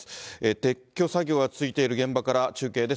撤去作業が続いている現場から中継です。